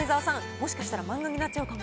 もしかしたら漫画になっちゃうかも。